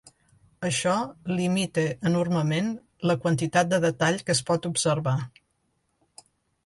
Això limita enormement la quantitat de detall que es pot observar.